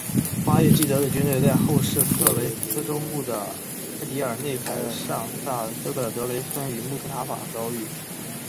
巴耶济德的军队在后世色雷斯中部的埃迪尔内凯尚萨兹勒德雷村与穆斯塔法遭遇。